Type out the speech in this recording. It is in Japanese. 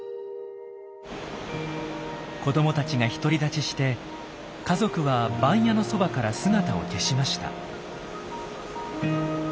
子どもたちが独り立ちして家族は番屋のそばから姿を消しました。